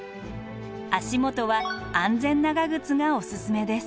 足元は安全長靴がオススメです。